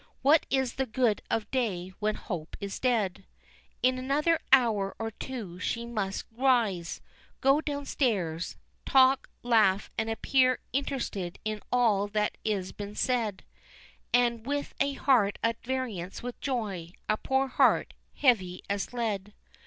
What is the good of day when hope is dead? In another hour or two she must rise, go downstairs, talk, laugh, and appear interested in all that is being said and with a heart at variance with joy a poor heart, heavy as lead.